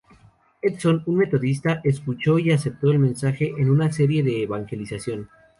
Edson, un Metodista, escuchó y aceptó el mensaje en una serie de evangelización.